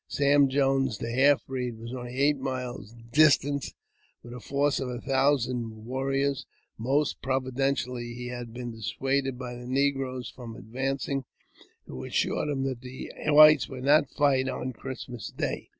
Sam Jones, the half breed, was only eight miles distant, with a force of a thousand warriors ; most providentially he had been dis suaded by the negroes from advancing, who assured him that the whites would not fight on Christmas Day.